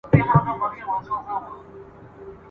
دې ښکاري ته رسېدلی یو کمال وو ..